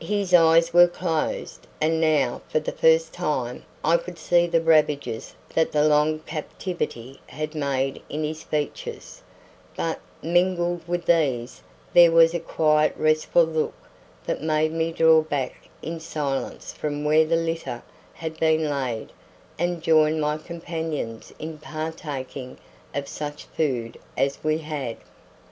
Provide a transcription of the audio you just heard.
His eyes were closed, and now, for the first time, I could see the ravages that the long captivity had made in his features; but, mingled with these, there was a quiet restful look that made me draw back in silence from where the litter had been laid and join my companions in partaking of such food as we had.